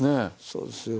そうですよ。